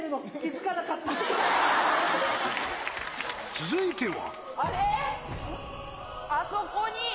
続いては。